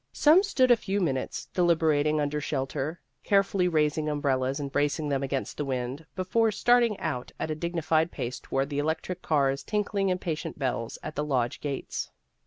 Some stood a few minutes, deliberating under shelter, carefully raising umbrellas and bracing them against the wind, before starting out at a dignified pace toward the electric cars tinkling impatient bells at the lodge gates.